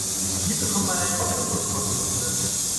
Wie bekommt man einen Oktopus vor die Linse?